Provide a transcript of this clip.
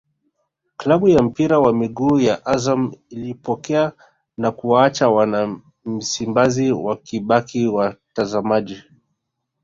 klabu ya mpira wa miguu ya Azam ikapokea na kuwaacha wana Msimbazi wakibaki watazamaji